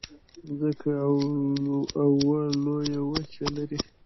مځکه اوه لویې وچې لري.